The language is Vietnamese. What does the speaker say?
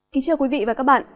kính chào quý vị và các bạn